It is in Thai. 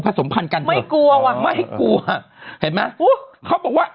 สมพันธ์กันไม่กลัวว่ะไม่กลัวเห็นไหมอุ้ยเขาบอกว่า